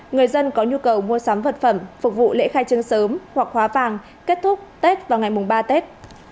người dân có nhu cầu mua sắm vật phẩm phục vụ lễ khai trưng sớm hoặc hóa vàng kết thúc tết vào ngày ba tết